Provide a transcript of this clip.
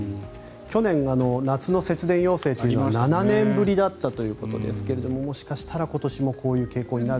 去年夏の節電要請というのが７年ぶりだったということですがもしかしたら今年もこういう傾向になるかも。